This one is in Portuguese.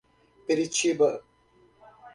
Peritiba